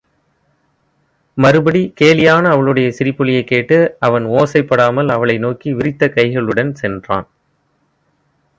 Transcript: மறுபடி கேலியான அவளுடைய சிரிப்பொலியைக் கேட்டு, அவன் ஓசைப்படாமல் அவளை நோக்கி விரித்த கைகளுடன் சென்றான்.